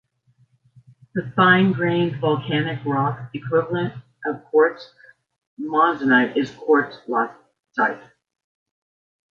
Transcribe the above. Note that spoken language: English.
The fine grained volcanic rock equivalent of quartz monzonite is quartz latite.